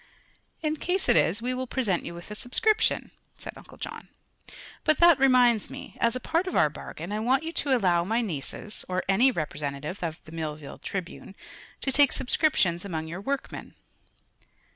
"In case it is, we will present you with a subscription," said Uncle John. "But that reminds me: as a part of our bargain I want you to allow my nieces, or any representative of the Millville Tribune, to take subscriptions among your workmen."